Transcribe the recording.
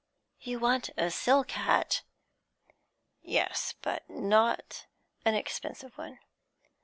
'You want a silk hat?' 'Yes, but not an expensive one.'